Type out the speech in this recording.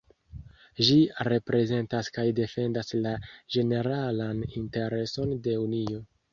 Ĝi reprezentas kaj defendas la ĝeneralan intereson de la Unio.